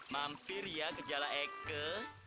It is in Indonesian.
mampir ya ke jalan aku